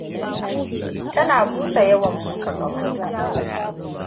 Tana busa yawan busa kahonta.